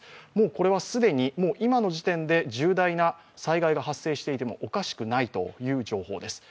これは既に今の時点で重大な災害が発生していてもおかしくないという状態です。